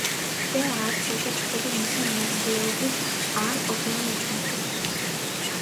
ჯერ არც ერთი ჩხუბი მისი მონაწილეობით არ ყოფილა ნაჩვენები.